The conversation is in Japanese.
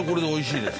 おいしい？